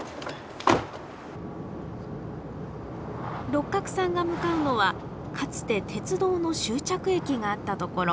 六角さんが向かうのはかつて鉄道の終着駅があった所。